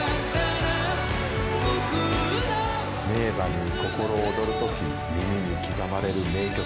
名馬に心踊るとき耳に刻まれる名曲。